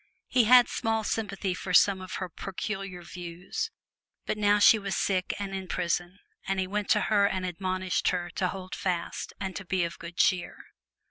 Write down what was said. He had small sympathy for many of her peculiar views, but now she was sick and in prison and he went to her and admonished her to hold fast and to be of good cheer.